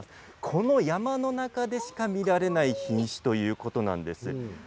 この山の中でしか見られない品種ということなんです。